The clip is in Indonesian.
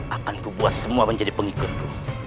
akan kubuat semua menjadi pengikut